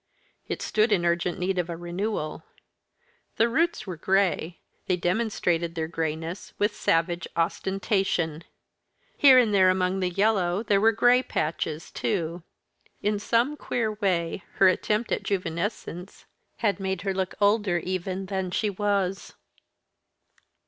It stood in urgent need of a renewal. The roots were grey, they demonstrated their greyness with savage ostentation. Here and there among the yellow there were grey patches too in some queer way her attempt at juvenesence had made her look older even than she was.